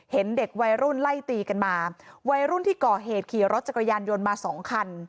เห็นเด็กวัยรุ่นไล่ตีกันมาวัยรุ่นที่ก่อเหตุขี่รถจักรยานยนต์มาสองคัน